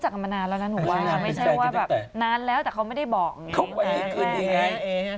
คืนดีไง